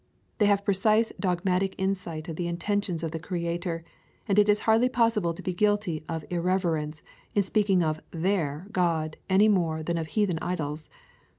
They have precise dogmatic insight of the intentions of the Crea tor, and it is hardly possible to be guilty of ir reverence in speaking of their God any more than of heathen idols.